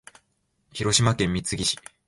広島県三次市